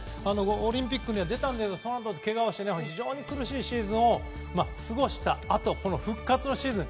オリンピックに出たんですけどそのあと、けがをして非常に苦しいシーズンを過ごしたあとの復活のシーズン。